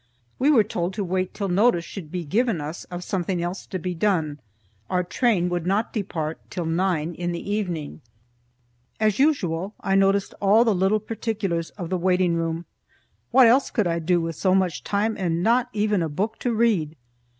We were told to wait till notice should be given us of something else to be done. Our train would not depart till nine in the evening. As usual, I noticed all the little particulars of the waiting room. What else could I do with so much time and not even a book to read?